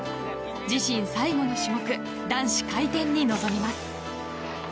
自身最後の種目男子回転に臨みます。